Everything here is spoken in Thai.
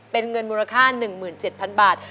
เป็นเงินมูลค่า๑๗๐๐บาท